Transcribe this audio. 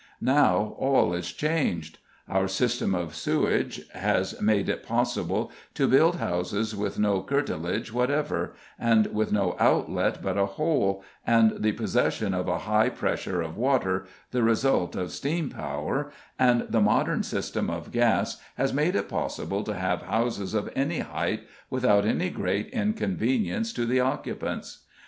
Now all is changed. Our system of sewerage has made it possible to build houses with no curtilage whatever, and with no outlet but a hole, and the possession of a high pressure of water (the result of steam power) and the modern system of gas has made it possible to have houses of any height, without any great inconvenience to the occupants.